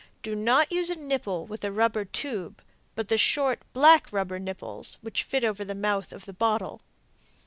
Do not use a nipple with a rubber tube, but the short, black rubber nipples, which fit over the mouth of the bottle.